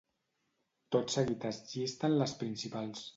Tot seguit es llisten les principals.